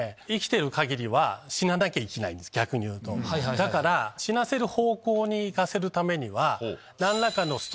だから死なせる方向に行かせるためには。